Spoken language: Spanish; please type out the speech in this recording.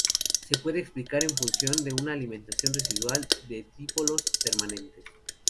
Se puede explicar en función de una alimentación residual de dipolos permanentes.